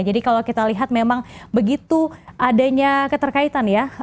jadi kalau kita lihat memang begitu adanya keterkaitan ya